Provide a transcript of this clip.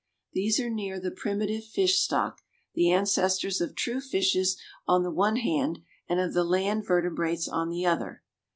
These are near the primitive fish stock, the ancestors of true fishes on the one hand and of the land vertebrates on the other.